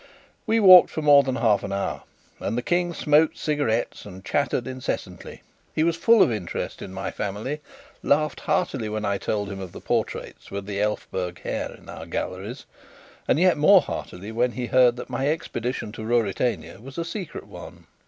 We walked for more than half an hour, and the King smoked cigarettes and chattered incessantly. He was full of interest in my family, laughed heartily when I told him of the portraits with Elphberg hair in our galleries, and yet more heartily when he heard that my expedition to Ruritania was a secret one.